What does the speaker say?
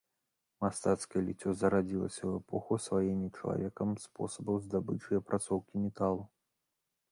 Мастацкае ліццё зарадзілася ў эпоху асваення чалавекам спосабаў здабычы і апрацоўкі металу.